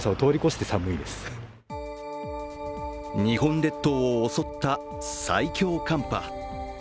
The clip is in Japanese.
日本列島を襲った最強寒波。